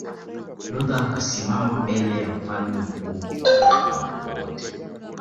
Luther akasimama mbele ya Mfalme mkuu na wakubwa wote